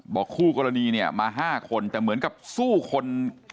คู่กรณีเนี่ยมา๕คนแต่เหมือนกับสู้คน